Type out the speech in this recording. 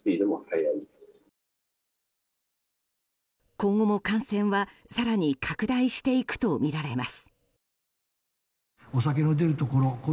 今後も感染は更に拡大していくとみられます。